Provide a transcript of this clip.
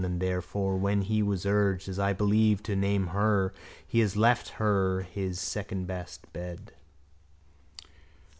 And therefore when he was urged, As I believe, to name her He left her his Secondbest Bed.